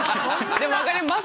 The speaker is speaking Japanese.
でも分かります。